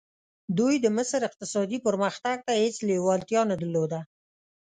دوی د مصر اقتصادي پرمختګ ته هېڅ لېوالتیا نه درلوده.